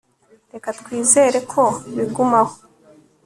reka twizere ko bigumaho